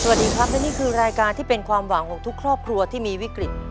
สวัสดีครับและนี่คือรายการที่เป็นความหวังของทุกครอบครัวที่มีวิกฤต